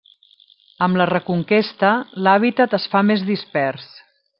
Amb la Reconquesta, l'hàbitat es fa més dispers.